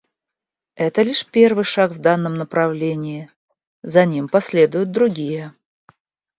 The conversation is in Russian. Это лишь первый шаг в данном направлении; за ним последуют другие.